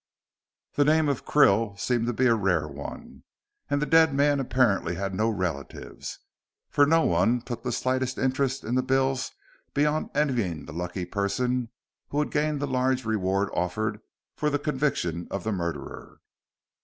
The name of Krill seemed to be a rare one, and the dead man apparently had no relatives, for no one took the slightest interest in the bills beyond envying the lucky person who would gain the large reward offered for the conviction of the murderer.